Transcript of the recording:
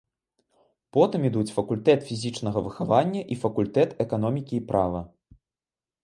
Потым ідуць факультэт фізічнага выхавання і факультэт эканомікі і права.